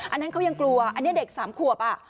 อันนั้นเขายังกลัวอันนี้เด็ก๓ขวบ